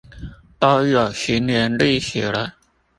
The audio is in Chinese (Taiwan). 都有十年歷史了